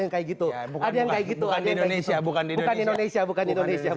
yang kayak gitu ada yang kayak gitu ada indonesia bukan indonesia bukan indonesia bukan indonesia